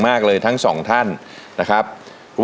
ผ่านยกที่สองไปได้นะครับคุณโอ